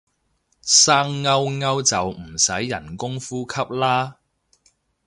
生勾勾就唔使人工呼吸啦